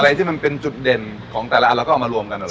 ที่มันเป็นจุดเด่นของแต่ละอันเราก็เอามารวมกันเหรอ